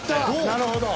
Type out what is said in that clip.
なるほど。